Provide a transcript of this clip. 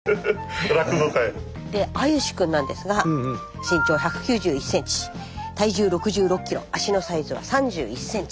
で歩志くんなんですが身長１９１ｃｍ体重６６ｋｇ足のサイズは３１ｃｍ。